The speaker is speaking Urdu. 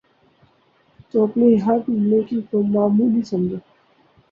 تو اپنی ہر نیکی کو معمولی سمجھے